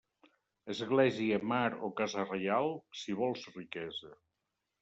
Església, mar o casa reial, si vols riquesa.